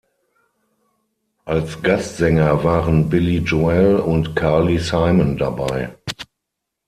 Als Gastsänger waren Billy Joel und Carly Simon dabei.